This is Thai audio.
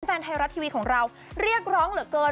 แฟนไทยรัฐทีวีของเราเรียกร้องเหลือเกิน